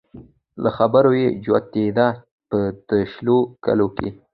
له خبرو يې جوتېده په د شلو کلو کې